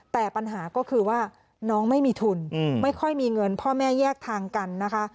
แต่ปัญหาก็คือว่าน้องไม่มีทุนไม่ค่อยมีเงินพ่อแม่แยกทางกันนะคะ